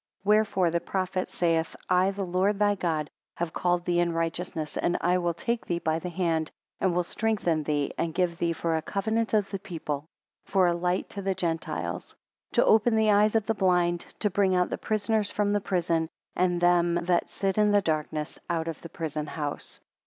21 Wherefore the prophet saith I the Lord thy God have called thee in righteousness, and I will take thee by thy hand, and will strengthen thee, and give thee for a covenant of the people; for a light to the Gentiles. To open the eyes of the blind, to bring out the prisoners from the prison, and them that sit in darkness out of the prison house.